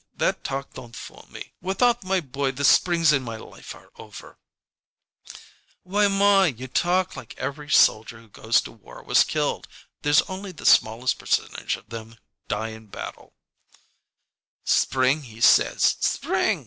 That talk don't fool me. Without my boy, the springs in my life are over " "Why, ma, you talk like every soldier who goes to war was killed! There's only the smallest percentage of them die in battle " "'Spring,' he says; 'spring'!